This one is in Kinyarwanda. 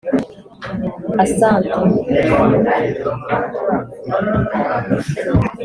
Asante